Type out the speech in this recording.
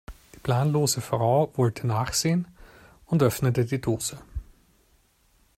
Die planlose Frau wollte nachsehen und öffnete die Dose.